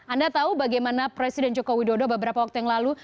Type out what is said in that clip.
anda tahu bagaimana presiden joko widodo beberapa waktu yang lalu